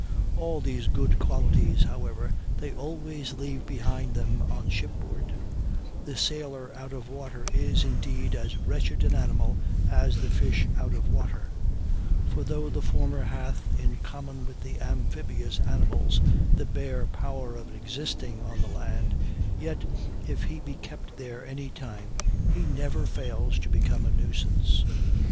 All these good qualities, however, they always leave behind them on shipboard; the sailor out of water is, indeed, as wretched an animal as the fish out of water; for though the former hath, in common with amphibious animals, the bare power of existing on the land, yet if he be kept there any time he never fails to become a nuisance.